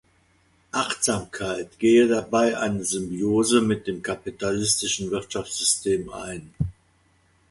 Achtsamkeit gehe dabei eine Symbiose mit dem kapitalistischen Wirtschaftssystem ein.